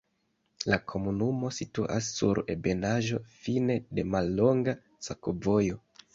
La komunumo situas sur ebenaĵo, fine de mallonga sakovojo.